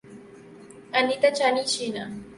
Habita en Shaanxi China.